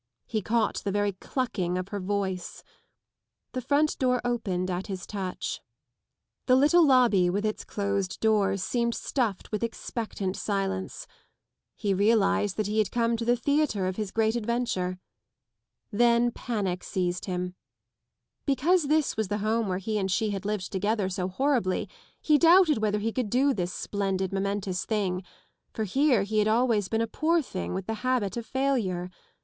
He caught the very clucking of her voice ... The front door opened at his touch. The little lobby with its closed doors seemed stuffed with expectant silence. He realised that he had come to the theatre of his great adventure. Then panic seized him. Because this was the home where he and she had lived together so horribly he doubted whether he could do this splendid momentous thing, for here he had always been a poor thing with the habit of failure.